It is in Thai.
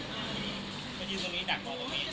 เขายืนตรงนี้ดักรอตรงนี้